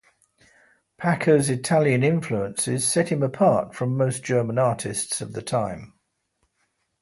Pacher's Italian influences set him apart from most German artists of the time.